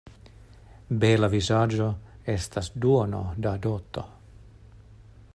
Bela vizaĝo estas duono da doto.